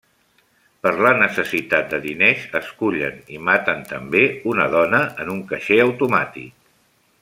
Per la necessitat de diners, escullen i maten també una dona en un caixer automàtic.